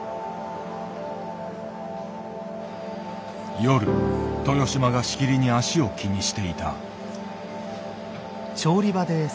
夜豊島がしきりに足を気にしていた。